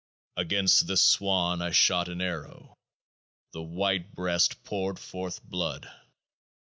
Against this Swan I shot an arrow ; the white breast poured forth blood.